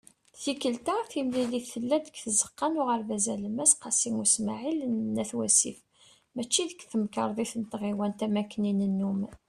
Tikelt-a, timlilit tella-d deg Tzeqqa n Uɣerbaz Alemmas "Qasi Usmaɛil" n At Wasif mačči deg Temkarḍit n Tɣiwant am wakken i nennum.